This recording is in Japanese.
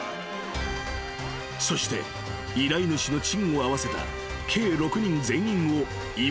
［そして依頼主のチンを合わせた計６人全員を芋づる式に逮捕］